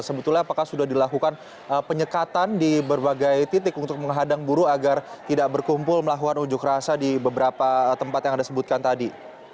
sebetulnya apakah sudah dilakukan penyekatan di berbagai titik untuk menghadang buruh agar tidak berkumpul melakukan unjuk rasa di beberapa tempat yang anda sebutkan tadi